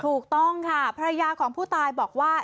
ถูกต้องค่ะภรรยาของผู้ตายบอกว่า